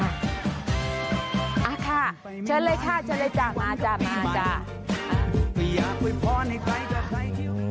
ค่ะเชิญเลยค่ะเชิญเลยจ้ะมาจ้ะมาจ้ะ